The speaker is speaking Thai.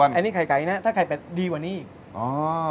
ครับอันนี้ไข่ไก่นะถ้าไข่แปดดีกว่านี้อีก